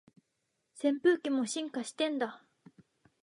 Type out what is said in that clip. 扇風機も進化してんだ